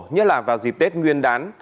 nhất là vào dịp tết nguyên đán